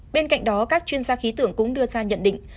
bên cạnh đó các chuyên gia khí tưởng cũng đưa ra nhận định